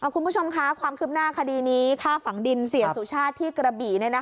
คุณผู้ชมคะความคืบหน้าคดีนี้ฆ่าฝังดินเสียสุชาติที่กระบี่